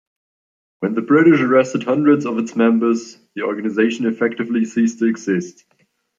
When the British arrested hundreds of its members the organization effectively ceased to exist.